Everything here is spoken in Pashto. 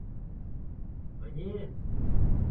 د پوهني نظام د نړیوالو معیارونو سره سمون لري؟